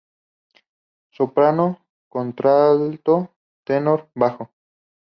Soprano, Contralto, Tenor, Bajo.